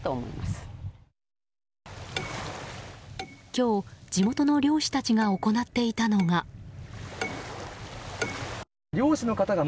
今日、地元の漁師たちが行っていたのが。